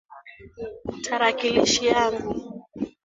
Tarakilishi yangu.